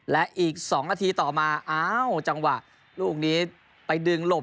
และอีก๒นาทีต่อมาอ้าวจังหวะลูกนี้ไปดึงหลบ